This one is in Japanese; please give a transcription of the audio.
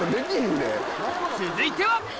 続いては！